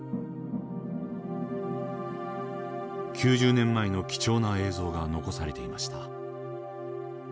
９０年前の貴重な映像が残されていました。